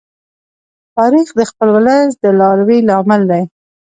تاریخ د خپل ولس د دلاوري لامل دی.